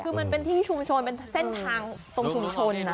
คือมันเป็นที่ชุมชนเป็นเส้นทางตรงชุมชน